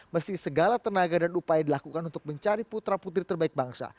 mesti segala tenaga dan upaya dilakukan untuk mencari putra putri terbaik bangsa